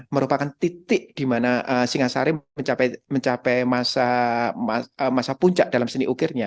merupakan titik di mana singasari mencapai masa puncak dalam seni ukirnya